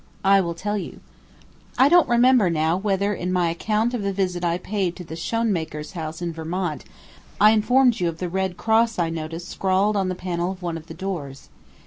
I will tell you. I don't remember now whether in my account of the visit I paid to the Schoenmakers' house in Vermont, I informed you of the red cross I noticed scrawled on the panel of one of the doors.